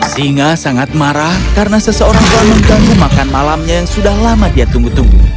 singa sangat marah karena seseorang belum tahu makan malamnya yang sudah lama dia tunggu tunggu